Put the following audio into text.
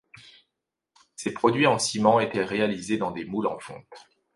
Ces produits en ciment étaient réalisés dans des moules en fonte.